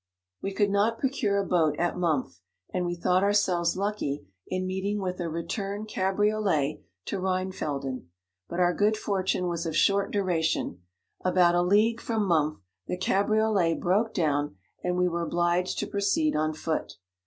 59 We could not procure a boat at Mumph, and we thought ourselves lucky in meeting with a return cabrio let to Rheinfelden ; but our good for tune was of short duration : about a league from Mumph the cabriolet broke down, and we were obliged to proceed on foot.